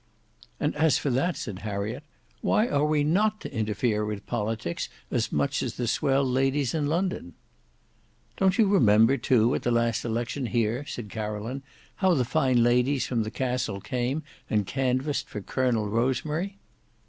"And as for that," said Harriet, "why are we not to interfere with politics as much as the swell ladies in London?" "Don't you remember, too, at the last election here," said Caroline, "how the fine ladies from the Castle came and canvassed for Colonel Rosemary?"